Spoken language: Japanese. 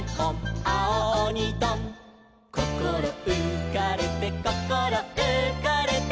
「こころうかれてこころうかれて」